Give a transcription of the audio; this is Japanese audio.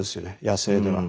野生では。